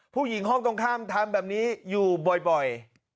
ผู้หญิงห้องต้องข้ามทำแบบนี้อยู่บ่อย